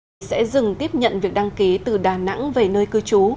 thành phố đà nẵng sẽ dừng tiếp nhận việc đăng ký từ đà nẵng về nơi cư trú